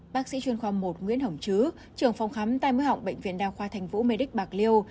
bác sĩ chuyên khoa một nguyễn hồng chứ trường phòng khám tài mới họng bệnh viện đa khoa thành vũ mê đích bạc liêu